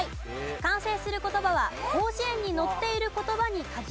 完成する言葉は『広辞苑』に載っている言葉に限ります。